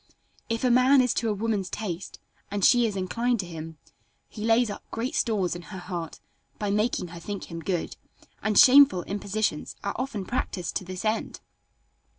If a man is to a woman's taste, and she is inclined to him, he lays up great stores in her heart by making her think him good; and shameful impositions are often practiced to this end.